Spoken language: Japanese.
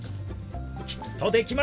きっとできます。